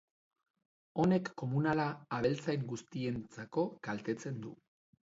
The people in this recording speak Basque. Honek komunala abeltzain guztientzako kaltetzen du.